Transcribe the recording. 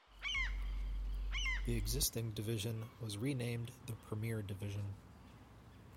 The existing division was renamed the Premier Division.